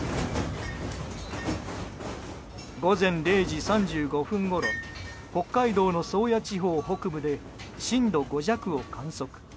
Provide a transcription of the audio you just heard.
午前０時３５分ごろ北海道の宗谷地方北部で震度５弱を観測。